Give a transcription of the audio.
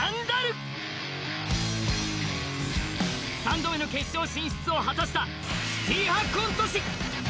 ３度目の決勝進出を果たしたシティー派コント師。